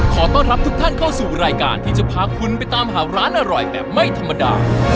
ขอต้อนรับทุกท่านเข้าสู่รายการที่จะพาคุณไปตามหาร้านอร่อยแบบไม่ธรรมดา